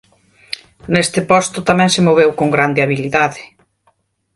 Neste posto tamén se moveu con grande habilidade.